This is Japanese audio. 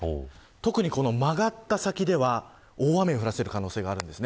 特に曲がった先では大雨を降らせる可能性があります。